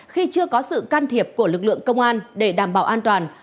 khi chưa có sự can thiệp của lực lượng công an để đảm bảo an toàn